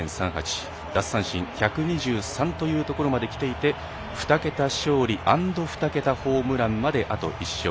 奪三振１２３というところまできていて２桁勝利＆２桁ホームランまであと１勝。